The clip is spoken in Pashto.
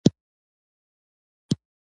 له امله د سړي تبر ته لاستى وراچولى دى.